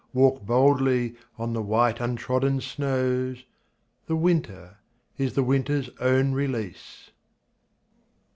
Walk boldly on the white untrodden snows, The winter is the winter's own release.